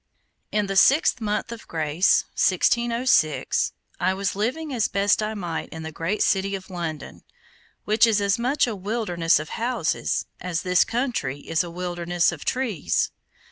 In the sixth month of Grace, 1606, I Was living as best I might in that great city of London, which is as much a wilderness of houses, as this country is a wilderness of trees.